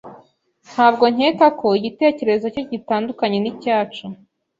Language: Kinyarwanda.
Ntabwo nkeka ko igitekerezo cye gitandukanye nicyacu.